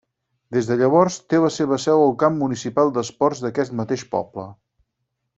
Des de llavors, té la seva seu al Camp Municipal d'Esports d'aquest mateix poble.